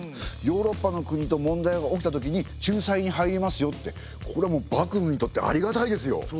ヨーロッパの国と問題が起きた時に仲裁に入りますよってこれは幕府にとってありがたいですよ。